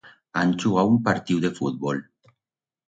Han chugau un partiu de fútbol.